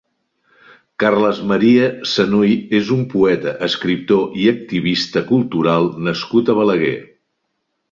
Carles Maria Sanuy és un poeta, escriptor i activista cultural nascut a Balaguer.